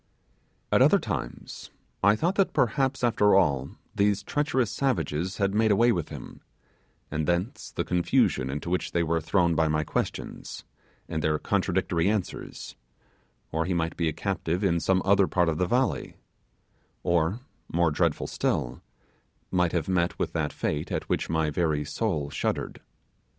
At other times I thought that perhaps after all these treacherous savages had made away with him, and thence the confusion into which they were thrown by my questions, and their contradictory answers, or he might be a captive in some other part of the valley, or, more dreadful still, might have met with that fate at which my very soul shuddered.